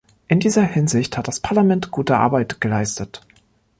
In dieser Hinsicht hat das Parlament gute Arbeit geleistet.